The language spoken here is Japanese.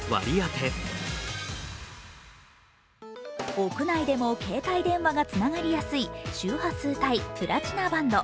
屋内でも携帯電話がつながりやすい周波数帯、プラチナバンド。